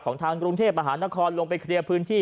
ทางกรุงเทพมหานครลงไปเคลียร์พื้นที่